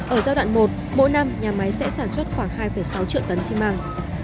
ở giai đoạn một mỗi năm nhà máy sẽ sản xuất khoảng hai sáu triệu tấn xi măng